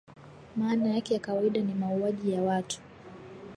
maana yake ya kawaida ni mauaji ya watu